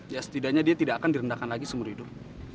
ya setidaknya dia tidak akan direndahkan lagi seumur hidup